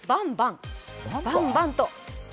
バンバンと。